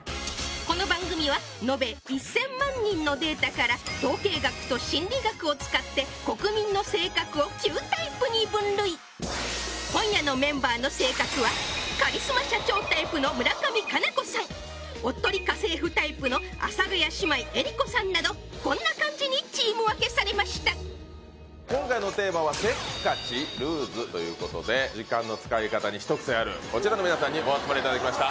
この番組は延べ１０００万人のデータから統計学と心理学を使って国民の性格を９タイプに分類今夜のメンバーの性格はカリスマ社長タイプの村上佳菜子さんおっとり家政婦タイプの阿佐ヶ谷姉妹江里子さんなどこんな感じにチーム分けされました時間の使い方に一癖あるこちらの皆さんにお集まりいただきました